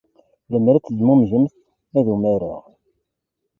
Lemmer ad tezmumgemt, ad umareɣ.